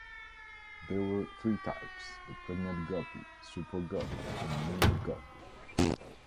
There were three types: the Pregnant Guppy, Super Guppy, and Mini Guppy.